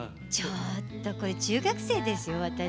ちょっとこれ中学生ですよ、私。